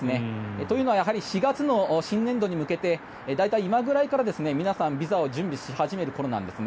というのはやはり４月の新年度に向けて大体、今くらいから皆さんビザを準備し始める頃なんですね。